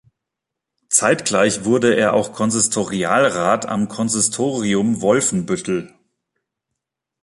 Zeitgleich wurde er auch Konsistorialrat am Konsistorium Wolfenbüttel.